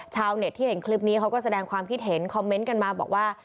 ชาวเน็ตที่เห็นคลิปนี้เขาก็แสดงความคิดเห็นคอมเมนต์กันมาบอกว่า